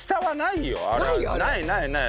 ないないない。